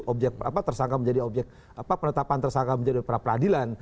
objek apa tersangka menjadi objek apa penetapan tersangka menjadi para peradilan